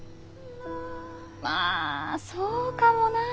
まあそうかもなあ。